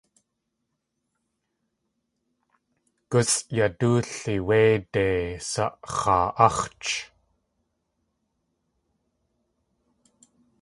Gusʼyadóoli wéide sax̲aa.áx̲ch.